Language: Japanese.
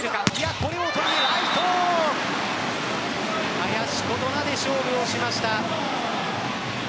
林琴奈で勝負をしました。